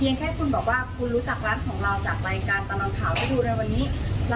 แค่คุณบอกว่าคุณรู้จักร้านของเราจากรายการตลอดข่าวได้ดูในวันนี้